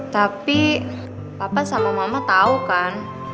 tapi papa sama mama tahu kan